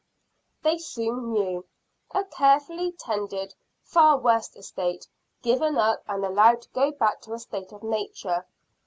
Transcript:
They soon knew a carefully tended Far West estate, given up and allowed to go back to a state of nature.